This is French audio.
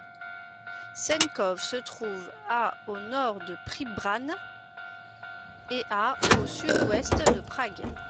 Čenkov se trouve à au nord de Příbram et à au sud-ouest de Prague.